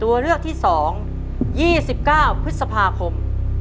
ตัวเลือกที่๒๒๙พฤษภาคม